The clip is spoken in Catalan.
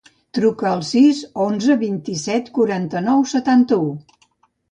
Truca al sis, onze, vint-i-set, quaranta-nou, setanta-u.